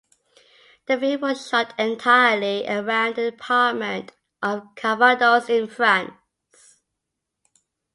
The film was shot entirely around the department of Calvados, in France.